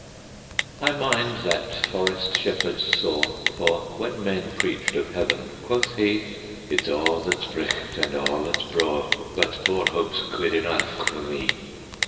I mind that Forest Shepherd's saw, For, when men preached of Heaven, quoth he; "It's a' that's bricht, and a' that's braw, But Bourhope's guid eneuch for me!"